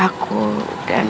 dan mau ngurusin perusahaannya